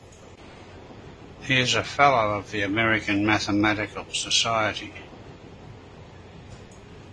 He is a fellow of the American Mathematical Society.